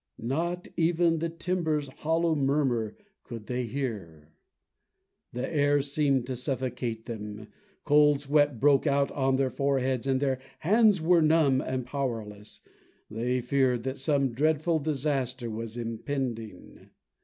Not even the Tiber's hollow murmur could they hear. The air seemed to suffocate them, cold sweat broke out on their foreheads, and their hands were numb and powerless. They feared that some dreadful disaster was impending.